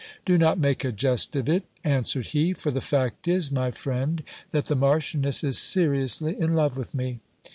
Do not make a jest of it, answered he ; for the fact is, my friend, that the Marchioness is seriously in love with me.